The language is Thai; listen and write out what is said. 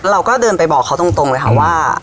เราก็เดินไปบอกเขาตรงเลยค่ะว่า